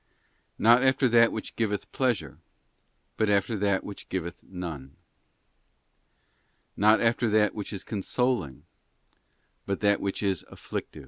Not after that which giveth pleasure, but after that which giveth none. : Not after that which is consoling, but that which is 2. criet. __ afflictive.